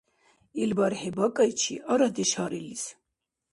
Ил бархӀи бакӀайчи, арадеш гьариллис!